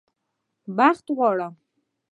بخت غواړم